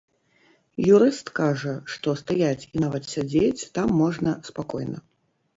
Юрыст кажа, што стаяць і нават сядзець там можна спакойна.